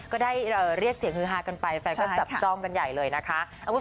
ก็ได้เรียกเสียงฮือฮากันไปแฟนก็จับจ้องกันใหญ่เลยนะคะ